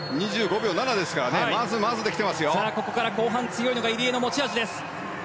２５秒７ですからここから後半が強いのが入江の持ち味です。